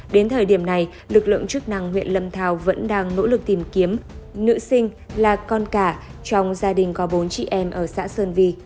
đến thời điểm này lực lượng chức năng huyện lâm thao vẫn đang nỗ lực tìm kiếm nữ sinh là con cả trong gia đình có bốn chị em ở xã sơn vi